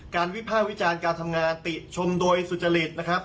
วิภาควิจารณ์การทำงานติชมโดยสุจริตนะครับ